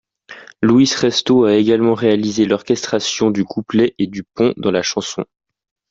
Luis Resto a également réalisé l'orchestration du couplet et du pont dans la chanson.